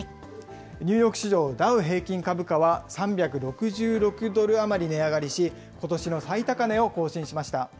ニューヨーク市場、ダウ平均株価は３６６ドル余り値上がりし、ことしの最高値を更新しました。